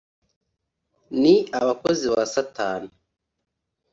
ni abakozi ba Satani